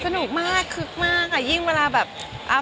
สนุกมากคึกมากอ่ะยิ่งเวลาแบบ